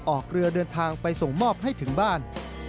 ออกเรือเดินทางไปส่งมอบให้ถึงบ้าน